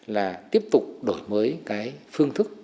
là tiếp tục đổi mới cái phương thức